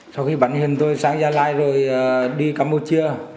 sau khi bắn hiền tôi sang gia lai rồi đi campuchia